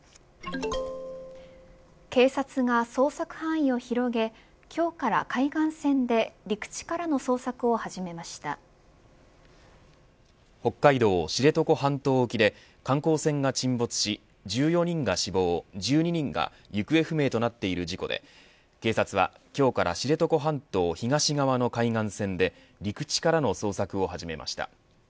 警察が捜索範囲を広げ今日から海岸線で北海道、知床半島沖で観光船が沈没し１４人が死亡１２人が行方不明となっている事故で警察は今日から知床半島東側の海岸線で陸地からの捜索を始めました。